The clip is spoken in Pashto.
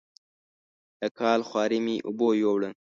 د کال خواري مې اوبو یووړه.